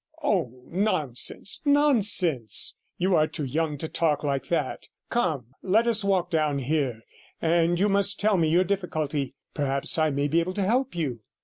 'Oh, nonsense, nonsense! You are too young to talk like that. Come, let us walk down here and you must tell me your difficulty. Perhaps I may be able to help you.'